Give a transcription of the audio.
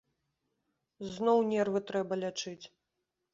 Зноў нервы трэба лячыць.